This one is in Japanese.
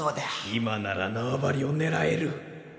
今なら縄張りを狙える。